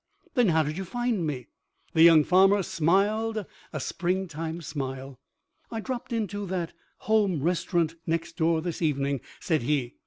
"Then how did you find me?" The young farmer smiled a springtime smile. "I dropped into that Home Restaurant next door this evening," said he.